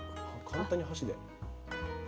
簡単に箸で。